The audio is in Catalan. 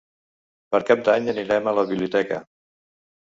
Per Cap d'Any anirem a la biblioteca.